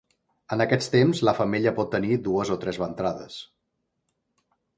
En aquest temps la femella pot tenir dues o tres ventrades.